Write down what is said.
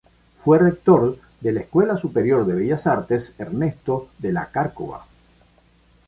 Fue Rector de la Escuela Superior de Bellas Artes, Ernesto de la Cárcova.